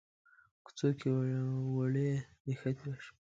کوڅو کې وړې نښتې وشوې.